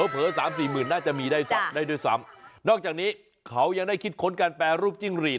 เผลอสามสี่หมื่นน่าจะมีได้ด้วยซ้ำนอกจากนี้เขายังได้คิดค้นการแปรรูปจิ้งหรีด